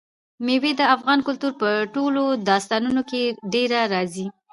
مېوې د افغان کلتور په ټولو داستانونو کې ډېره راځي.